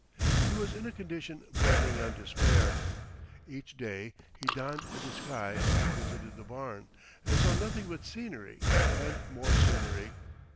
He was in a condition bordering on despair. Each day he donned a disguise and visited the barn, and saw nothing but scenery and more scenery.